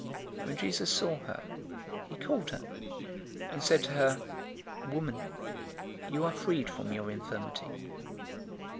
013:012 When Jesus saw her, he called her, and said to her, "Woman, you are freed from your infirmity."